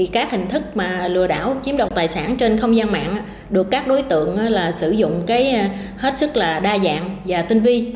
các hình thức lừa đảo chiếm đoạt tài sản trên không gian mạng được các đối tượng sử dụng hết sức đa dạng và tinh vi